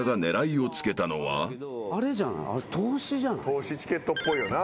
透視チケットっぽいよな。